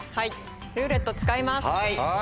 「ルーレット」使います。